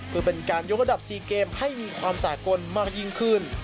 เพื่อเป็นการยกระดับ๔เกมให้มีความสากลมากยิ่งขึ้น